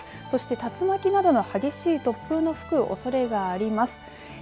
そして、竜巻などの激しい突風吹くおそれがあります。